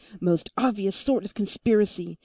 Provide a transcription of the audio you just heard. Most obvious sort of conspiracy!